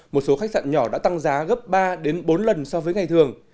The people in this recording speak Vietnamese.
một số khách sạn nhỏ đã tăng giá gấp ba bốn lần so với ngày thường